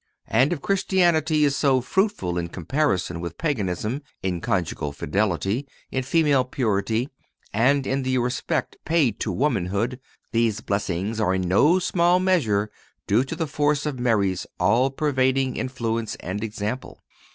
And if Christianity is so fruitful in comparison with Paganism, in conjugal fidelity, in female purity and in the respect paid to womanhood, these blessings are in no small measure due to the force of Mary's all pervading influence and example.